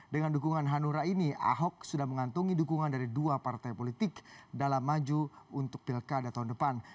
dengan dukungan hanura ini ahok sudah mengantungi dukungan dari dua partai politik dalam maju untuk pilkada tahun depan